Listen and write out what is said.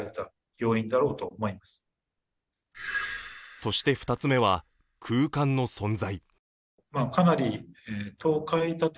そして２つ目は、空間の存在。